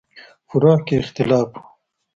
فروع کې اختلاف و.